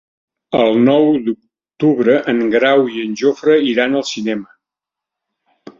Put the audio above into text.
El nou d'octubre en Grau i en Jofre iran al cinema.